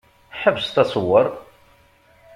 Ḥebset aṣewwer!